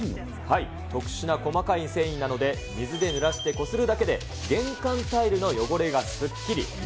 特殊な細かい繊維なので、水でぬらしてこするだけで玄関タイルの汚れがすっきり。